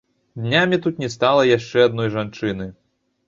Днямі тут не стала яшчэ адной жанчыны.